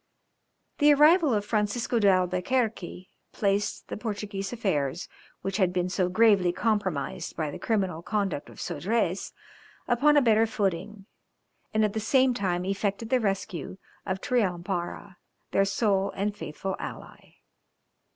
The arrival of Francisco d'Albuquerque placed the Portuguese affairs, which had been so gravely compromised by the criminal conduct of Sodrez, upon a better footing, and at the same time effected the rescue of Triumpara, their sole and faithful ally.